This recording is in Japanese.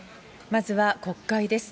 まずは国会です。